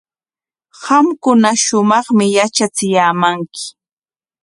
Qamkuna shumaqmi yatrachiyaamanki.